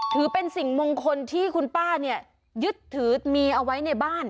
ถือเป็นสิ่งมงคลที่คุณป้าเนี่ยยึดถือมีเอาไว้ในบ้าน